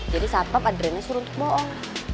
jadi satpam adriana suruh untuk bohong